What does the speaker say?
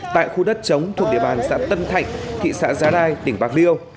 tại khu đất chống thuộc địa bàn xã tân thạnh thị xã giá đai tỉnh bạc điêu